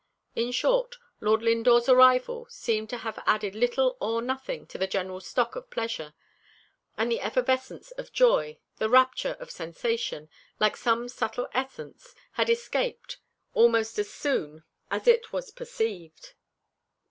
In short, Lord Lindore's arrival seemed to have added little or nothing to the general stock of pleasure; and the effervescence of joy the rapture of sensation, like some subtle essence, had escaped almost as soon as it was perceived.